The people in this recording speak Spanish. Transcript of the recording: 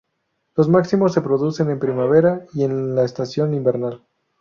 Los máximos se producen en primavera y en la estación invernal.